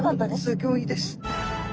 すギョいです。